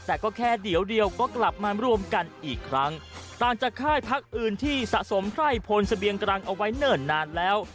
แต่ก็แค่เดี๋ยวเดียวก็กลับมารวมกันอีกครั้งต่างจากค่ายพักอื่นที่สะสมไพร่พลเสบียงกรังเอาไว้เนิ่นนานแล้ว